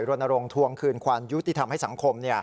รณรงควงคืนความยุติธรรมให้สังคม